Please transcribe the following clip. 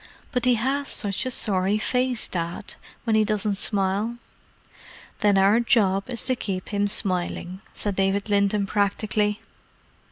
"But he has such a sorry face, Dad, when he doesn't smile." "Then our job is to keep him smiling," said David Linton practically.